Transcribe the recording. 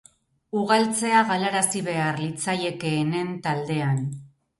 Ugaltzea galarazi behar litzaiekeenen taldean.